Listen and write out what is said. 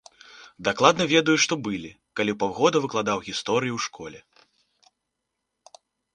Дакладна ведаю, што былі, калі паўгода выкладаў гісторыю ў школе.